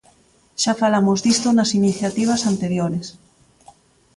Xa falamos disto nas iniciativas anteriores.